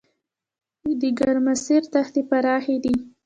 د ګرمسیر دښتې پراخې دي